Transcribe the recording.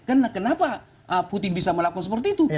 karena kenapa putin bisa melakukan seperti itu